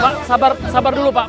pak sabar dulu pak